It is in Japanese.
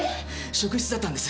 職質だったんです。